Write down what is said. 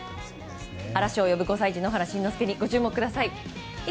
嵐を呼ぶ５歳児野原しんのすけにご注目ください。